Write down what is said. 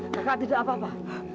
kakak tidak apa apa